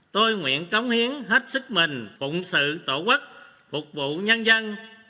tôi nguyện cống hiến hết sức mình phụng sự tổ quốc phục vụ nhân dân